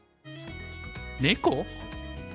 猫？